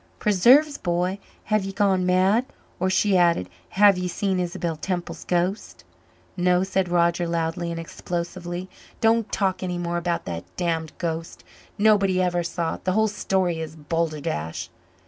"Preserve's, b'y, have ye gone mad? Or," she added, "have ye seen Isabel Temple's ghost?" "No," said Roger loudly and explosively. "Don't talk any more about that damned ghost. Nobody ever saw it. The whole story is balderdash."